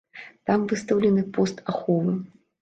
Там выстаўлены пост аховы.